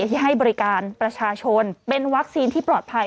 ที่ให้บริการประชาชนเป็นวัคซีนที่ปลอดภัย